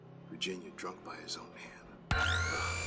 Virginia drunk by his own hand! Ugh!!